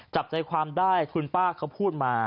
จับใจความได้คุณป้าเขาพูดมา